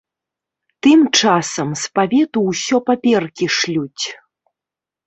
Тым часам з павету ўсё паперкі шлюць.